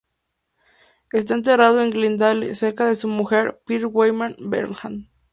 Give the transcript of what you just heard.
Está enterrado en Glendale, cerca de su mujer, Pearl Wellman Bernhardt.